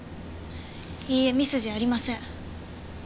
いいえミスじゃありません。